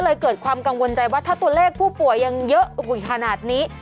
เกิดความกังวลใจว่าถ้าตัวเลขผู้ป่วยยังเยอะขนาดนี้